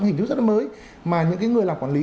hình thức rất là mới mà những người làm quản lý